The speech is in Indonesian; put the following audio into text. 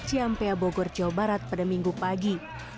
ciampea bogor jawa barat pada minggu pagi